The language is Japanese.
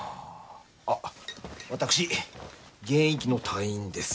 あっ私現役の隊員です。